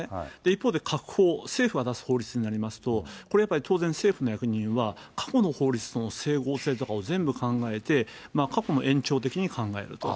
一方で閣法、政府が出す法律になりますと、これやっぱり当然、政府の役人は過去の法律との整合性とかを全部考えて、過去も延長的に考えると。